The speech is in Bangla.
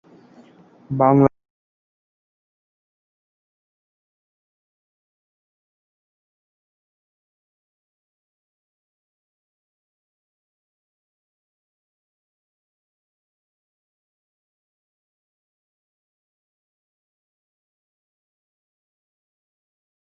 বাবা-মায়ের সাথে থাকে।